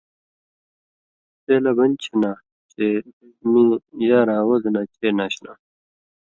تے لہ بنچھی نا چےۡ ۔ میں یاراں وزنہ چے ناشانا